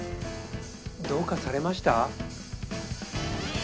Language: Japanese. どうかされました？